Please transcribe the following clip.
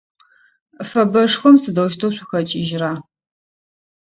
Фэбэшхом сыдэущтэу шъухэкIыжьрэ?